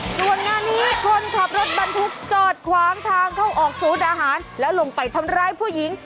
ส่วนงานนี้คนขับรถบรรทุกจอดขวางทางเข้าออกศูนย์อาหารแล้วลงไปทำร้ายผู้หญิง